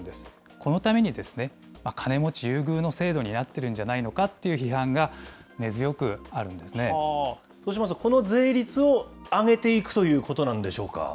このために、金持ち優遇の制度になっているんじゃないのかっていそうしますと、この税率を上げていくということなんでしょうか。